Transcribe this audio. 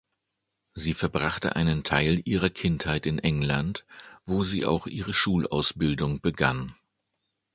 Sie verbrachte einen Teil ihrer Kindheit in England, wo sie auch ihre Schulausbildung begann.